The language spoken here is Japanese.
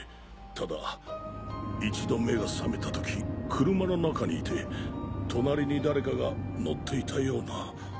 ただ一度目が覚めた時車の中にいて隣に誰かが乗っていたような。